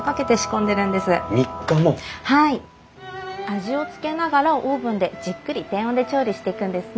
味をつけながらオーブンでじっくり低温で調理していくんですね。